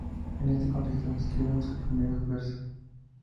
En este contexto, escribe sus primeros versos.